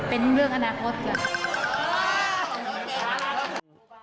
เป็นเรื่องอนาคตเดียว